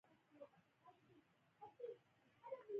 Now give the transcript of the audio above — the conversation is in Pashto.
دوه خولې او په هره خوله کې درې ژبې.